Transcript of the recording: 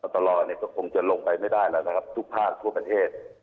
ตลอดก็คงจะลงไปไม่ได้แล้วนะครับทุกภาคทั่วประเทศ